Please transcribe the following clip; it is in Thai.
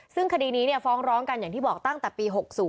ซึ่งคดีนี้ฟ้องร้องกันอย่างที่บอกตั้งแต่ปี๖๐